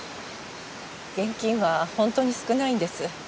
現金は本当に少ないんです。